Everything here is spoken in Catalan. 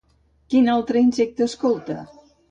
Quin altre insecte escolta?